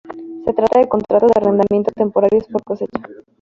Se trata de contratos de arrendamiento temporarios por cosecha.